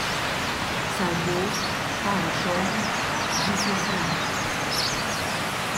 «Sai buc, para schon», di siu frar.